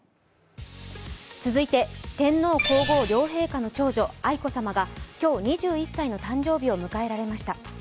続いて天皇皇后両陛下の長女・愛子さまが今日、２１歳の誕生日を迎えられました。